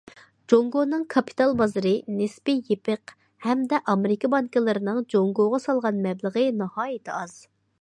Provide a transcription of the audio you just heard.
جۇڭگونىڭ كاپىتال بازىرى نىسپىي يېپىق ھەمدە ئامېرىكا بانكىلىرىنىڭ جۇڭگوغا سالغان مەبلىغى ناھايىتى ئاز.